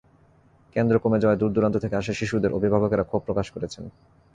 কেন্দ্র কমে যাওয়ায় দূর-দুরান্ত থেকে আসা শিশুদের অভিভাবকেরা ক্ষোভ প্রকাশ করেছেন।